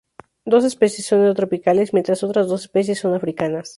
Doce especies son neotropicales, mientras otras dos especies son africanas.